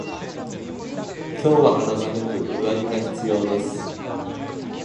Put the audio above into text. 今日は肌寒く上着が必要です。